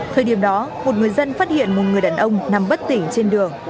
thời điểm đó một người dân phát hiện một người đàn ông nằm bất tỉnh trên đường